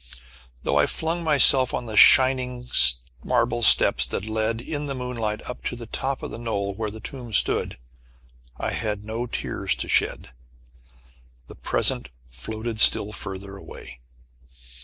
Though I flung myself on the shining marble steps that led in the moonlight up to the top of the knoll where the tomb stood, I had no tears to shed. The present floated still further away.